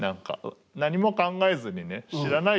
何も考えずにね「知らない！